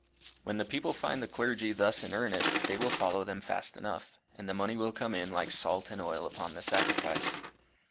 When the people find the clergy thus in earnest, they will follow them fast enough, and the money will come in like salt and oil upon the sacrifice.